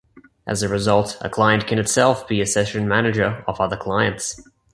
As a result, a client can itself be a session manager of other clients.